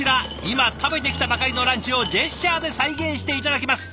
今食べてきたばかりのランチをジェスチャーで再現して頂きます。